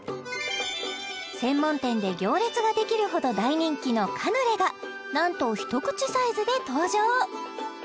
専門店で行列ができるほど大人気のカヌレがなんと一口サイズで登場